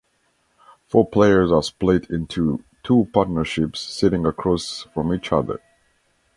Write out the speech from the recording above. Four players are split into two partnerships sitting across from each other.